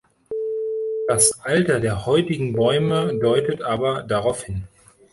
Das Alter der heutigen Bäume deutet aber darauf hin.